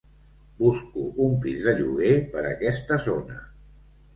Busco un pis de lloguer per aquesta zona.